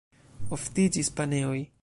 Oftiĝis paneoj.